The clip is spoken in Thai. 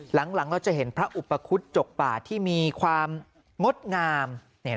หลังเราจะเห็นพระอุปคุฎจกป่าที่มีความงดงาม